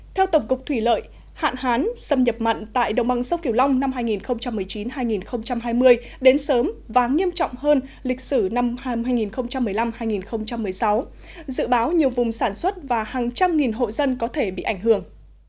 theo tổng cục thủy lợi hạn hán xâm nhập mặn tại đồng bằng sông kiều long năm hai nghìn một mươi chín hai nghìn hai mươi đến sớm và nghiêm trọng hơn lịch sử năm hai nghìn một mươi năm hai nghìn một mươi sáu dự báo nhiều vùng sản xuất và hàng trăm nghìn hộ dân có thể bị ảnh hưởng